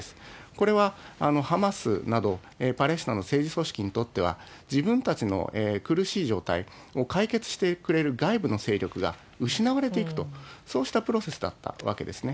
これは、ハマスなどパレスチナの政治組織にとっては、自分たちの苦しい状態を解決してくれる外部の勢力が失われていくと、そうしたプロセスだったわけですね。